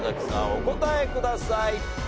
お答えください。